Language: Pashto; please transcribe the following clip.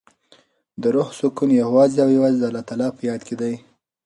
د روح سکون یوازې او یوازې د الله په یاد کې دی.